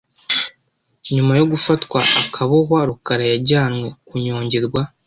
Nyuma yo gufatwa akabohwa Rukara yajyanywe kunyongerwa